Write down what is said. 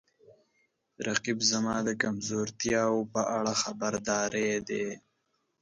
رقیب زما د کمزورتیاو په اړه خبرداری دی